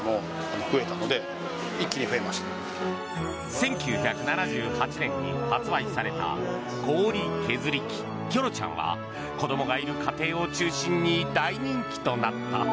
１９７８年に発売された氷削り器、きょろちゃんは子どもがいる家庭を中心に大人気となった。